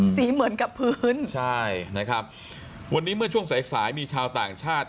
เหมือนกับพื้นใช่นะครับวันนี้เมื่อช่วงสายสายมีชาวต่างชาติ